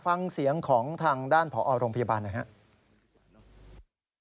ฟังเสียงของทางด้านผอโรงพยาบาลหน่อยครับ